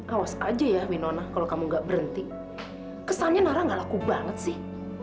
awas aja ya winona kalau kamu gak berhenti kesannya nara gak laku banget sih